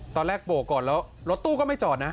ตอนแรกโป่ก่อนแล้วรถตู้ก็ไม่จอดนะ